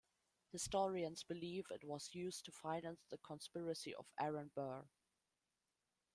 Historians believe it was used to finance the conspiracy of Aaron Burr.